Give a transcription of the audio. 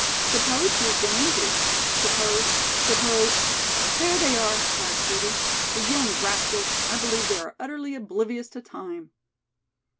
"Suppose she has been injured suppose suppose " "There they are!" cried Judy. "The young rascals, I believe they are utterly oblivious to time."